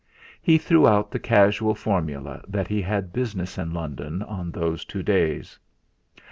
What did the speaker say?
He threw out the casual formula that he had business in London on those two days.